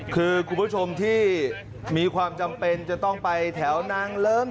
คือคุณผู้ชมที่มีความจำเป็นจะต้องไปแถวนางเลิ้ง